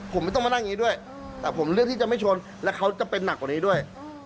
ผมไม่ต้องมานั่งอย่างนี้ด้วยแต่ผมเลือกที่จะไม่ชนและเขาจะเป็นหนักกว่านี้ด้วย